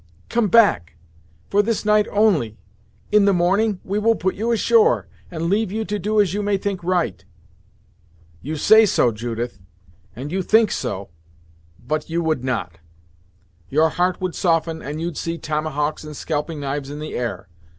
"Come back for this night only; in the morning, we will put you ashore, and leave you to do as you may think right." "You say so, Judith, and you think so; but you would not. Your heart would soften, and you'd see tomahawks and scalping knives in the air.